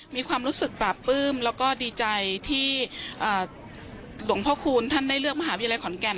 มีความรู้สึกปราบปลื้มแล้วก็ดีใจที่หลวงพ่อคูณท่านได้เลือกมหาวิทยาลัยขอนแก่น